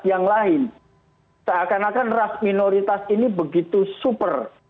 yang lain seakan akan ras minoritas ini begitu super